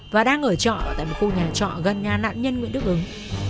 và đang ở trọ tại một khu nhà trọ gần nhà nạn nhân nguyễn đức ứng